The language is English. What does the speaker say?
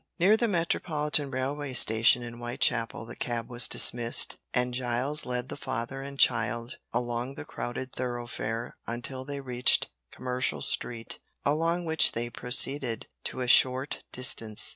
Near the metropolitan railway station in Whitechapel the cab was dismissed, and Giles led the father and child along the crowded thoroughfare until they reached Commercial Street, along which they proceeded a short distance.